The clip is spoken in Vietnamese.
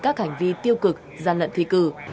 các hành vi tiêu cực gian lận thi cử